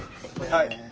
はい。